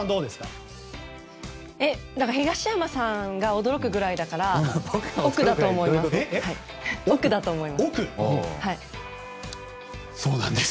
東山さんが驚くぐらいだから億だと思います。